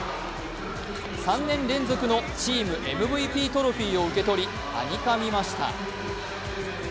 ３年連続のチームＭＶＰトロフィーを受け取りはにかみました。